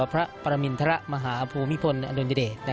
พระปรมินทรมาฮาภูมิพนธ์อัตโนยเด